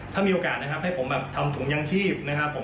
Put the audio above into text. ถ้ามีโอกาสนะครับให้ผมแบบทำถุงยางชีพนะครับผม